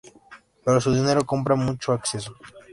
Pero su dinero compra mucho acceso".